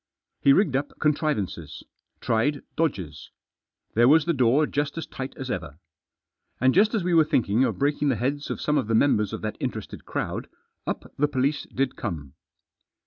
He rigged up contrivances; tried dodges. There was the door just as tight as ever. And just as we were thinking of breaking the heads of some of the members of that interested crowd, up the police did come.